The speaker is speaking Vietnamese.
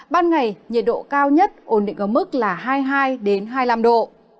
ban ngày nhiệt độ cao nhất ổn định ở mức là hai mươi hai hai mươi năm độ